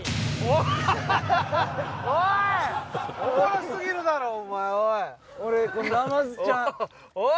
おもろ過ぎるだろお前おい。